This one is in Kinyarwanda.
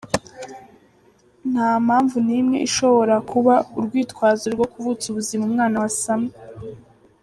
"Nta mpamvu n’imwe ishobora kuba urwitwazo rwo kuvutsa ubuzima umwana wasamwe.